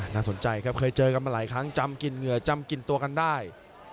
น่าสนใจครับเคยเจอกันมาหลายครั้งจำกินเหงื่อจำกินตัวกันได้